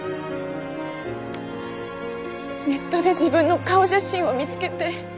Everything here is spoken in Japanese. ネットで自分の顔写真を見つけて。